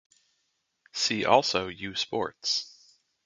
See also U Sports.